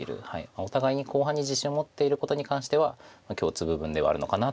お互いに後半に自信を持っていることに関しては共通部分ではあるのかなと思います。